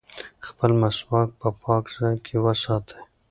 خپل مسواک په پاک ځای کې وساتئ.